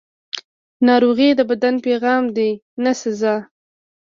ناروغي د بدن پیغام دی، نه سزا.